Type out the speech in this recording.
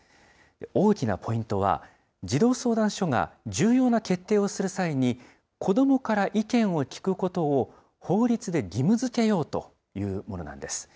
大きなポイントは、児童相談所が重要な決定をする際に、子どもから意見を聴くことを法律で義務づけようというものなんです。